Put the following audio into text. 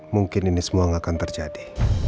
mungkin ini semua nggak akan terjadi